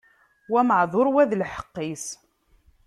Wa meɛduṛ, wa d lḥeqq-is.